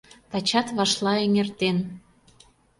Тачат вашла эҥертен